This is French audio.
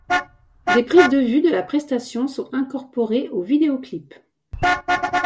Des prises de vue de la prestation sont incorporées au vidéo clip.